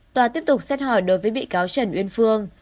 tòa tiếp tục xét hỏi đối với bị cáo trần uyên phương